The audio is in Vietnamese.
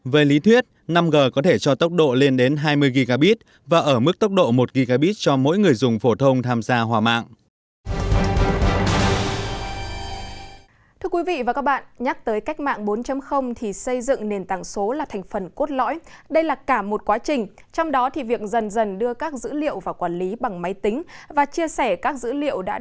về lý thuyết năm g có thể cho tốc độ lên đến hai mươi gbps và ở mức tốc độ một gbps cho mỗi người dùng phổ thông tham gia